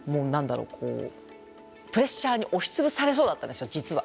プレッシャーに押しつぶされそうだったんですよ実は。